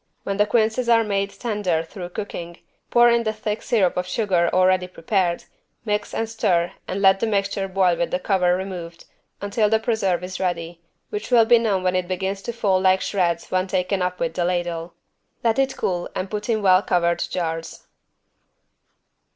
When the quinces are made tender through cooking, pour in the thick syrup of sugar already prepared, mix and stir and let the mixture boil with the cover removed until the preserve is ready, which will be known when it begins to fall like shreds when taken up with the ladle. Let it cool and put in well covered jars.